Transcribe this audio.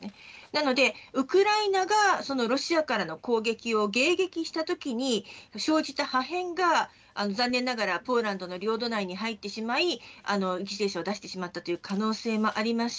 なのでウクライナがロシアからの攻撃を迎撃したときに、生じた破片が残念ながらポーランドの領土内に入ってしまい犠牲者を出してしまったという可能性もあります。